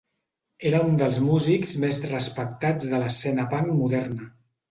Era un dels músics més respectats de l'escena punk moderna.